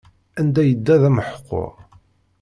Anda yedda d ameḥqur.